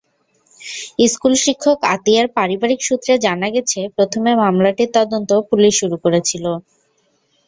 স্কুলশিক্ষক আতিয়ার পারিবারিক সূত্রে জানা গেছে, প্রথমে মামলাটির তদন্ত পুলিশ শুরু করেছিল।